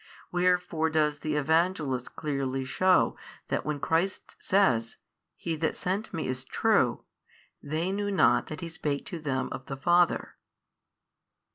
Wherefore does the Evangelist clearly shew that when Christ says, He That sent Me is True, they knew not that He spake to them of the Father.